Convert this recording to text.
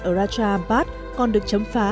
ở raja ampat còn được chấm phá